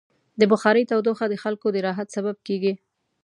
د بخارۍ تودوخه د خلکو د راحت سبب کېږي.